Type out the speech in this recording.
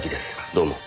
どうも。